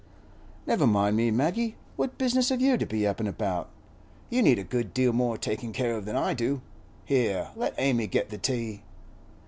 'Never mind me, Maggie. What business have you to be up an' about? You need a good deal more takin' care of than I do. Here, let Amy get the tea.